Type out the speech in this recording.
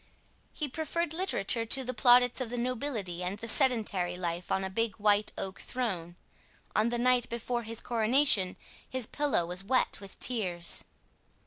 He preferred literature to the plaudits of the nobility and the sedentary life on a big white oak throne. On the night before his coronation his pillow was wet with tears.